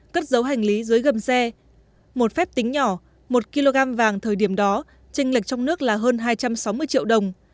cất dấu hành lý dưới gầm xe một phép tính nhỏ một kg vàng thời điểm đó tranh lệch trong nước là hơn hai trăm sáu mươi triệu đồng